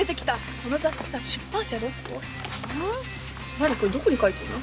何これどこに書いてんの？